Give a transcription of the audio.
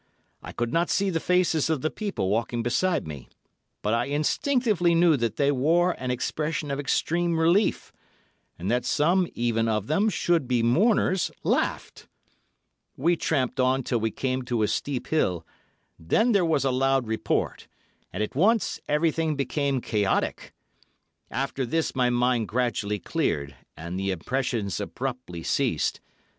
I could not see the faces of the people walking beside me, but I instinctively knew that they wore an expression of extreme relief, and that some even of them should be mourners laughed. We tramped on till we came to a steep hill, then there was a loud report, and at once everything became chaotic. After this my mind gradually cleared and the impressions abruptly ceased.